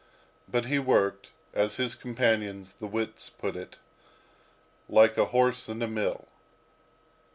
But he worked, as his companions, the wits, put it, like a horse in a mill.